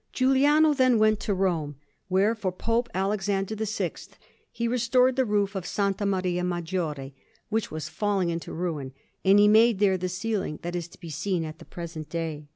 Giuliano then went to Rome, where, for Pope Alexander VI, he restored the roof of S. Maria Maggiore, which was falling into ruin; and he made there the ceiling that is to be seen at the present day.